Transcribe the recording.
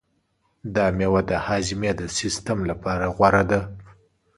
دا مېوه د هاضمې د سیستم لپاره غوره ده.